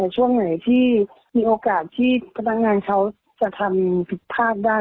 ช่วงไหนที่มีโอกาสที่พนักงานเขาจะทำผิดพลาดได้